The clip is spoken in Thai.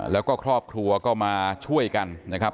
แล้วก็ครอบครัวก็มาช่วยกันนะครับ